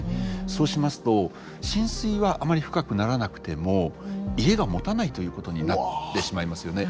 そうしますと浸水はあまり深くならなくても家がもたないということになってしまいますよね。